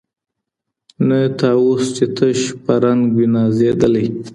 نه طاووس چي تش په رنګ وي نازېدلی